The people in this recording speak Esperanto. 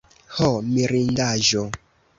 ho mirindaĵo!